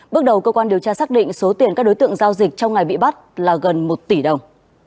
bước đầu cơ quan điều tra xác định số tiền các đối tượng giao dịch trong ngày bị bắt là gần một tỷ đồng